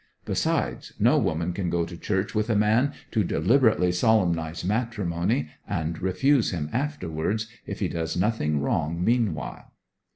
Besides, no woman can go to church with a man to deliberately solemnize matrimony, and refuse him afterwards, if he does nothing wrong meanwhile.'